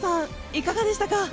いかがでしたか？